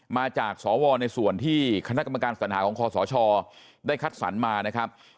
มาจากสวในส่วนที่คณะกรรมการสัญหาของคอสชได้คัดสรรมานะครับ